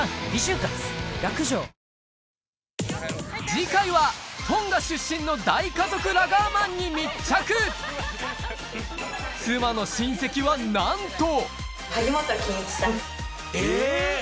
次回はトンガ出身の大家族ラガーマンに密着妻の親戚はなんとえ！